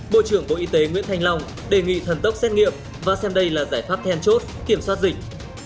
bộ trưởng bộ y tế nguyễn thanh long đề nghị thần tốc xét nghiệm và xem đây là giải pháp then chốt kiểm soát dịch